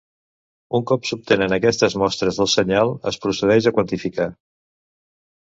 Un cop s'obtenen aquestes mostres del senyal, es procedeix a quantificar.